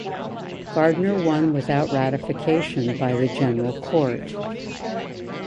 Gardner won without ratification by the General Court.